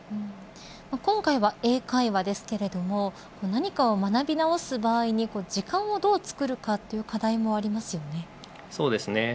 今回は英会話ですけれども何かを学び直す場合に時間をどう作るかという課題もありますよね。